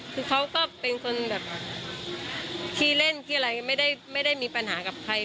คือเขาก็เป็นคนแบบขี้เล่นขี้อะไรไม่ได้มีปัญหากับใคร